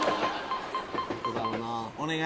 お願い！